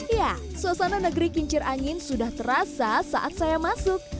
ya suasana negeri kincir angin sudah terasa saat saya masuk